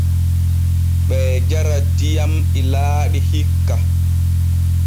Ɓee jara diyam ilaaɗi hikka.